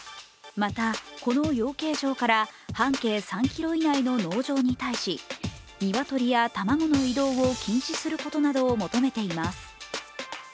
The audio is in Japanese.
またこの養鶏場から半径３ｋｍ以内の農場に対し鶏や卵の移動を禁止することなどを求めています。